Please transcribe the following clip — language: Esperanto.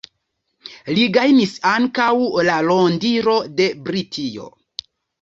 Li gajnis ankaŭ la rondiro de Britio.